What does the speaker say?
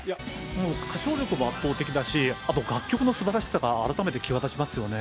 もう歌唱力も圧倒的だし、あと楽曲のすばらしさが改めて際立ちますよね。